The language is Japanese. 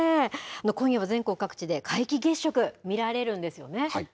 今夜は全国各地で皆既月食、見られるんですよね。